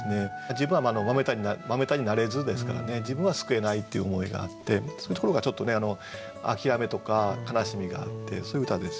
自分は「『豆太』になれず」ですからね自分は救えないっていう思いがあってそういうところがちょっとね諦めとか悲しみがあってそういう歌ですよね。